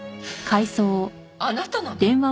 あなたなの？